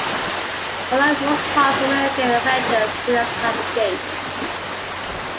Unlike most parks, American Adventures did not have a gate.